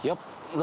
何？